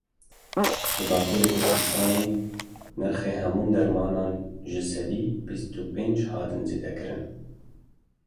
Li Bakurê Kurdistanê nirxê hemû dermanan ji sedî bîst û pênc hat zêdekirin.